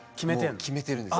もう決めてるんです。